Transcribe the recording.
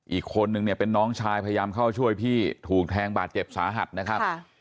อีกคนนึงเนี่ยเป็นน้องชายพยายามเข้าช่วยพี่ถูกแทงบาดเจ็บสาหัสนะครับ